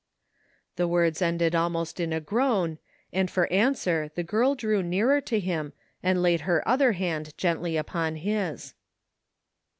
The words ended almost in a groan, and for answer the girl drew nearer to him and laid her other hand gently upon his.